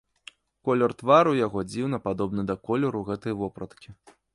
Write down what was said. Колер твару яго дзіўна падобны да колеру гэтай вопраткі.